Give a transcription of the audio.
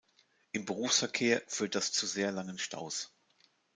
Im Berufsverkehr führt das zu sehr langen Staus.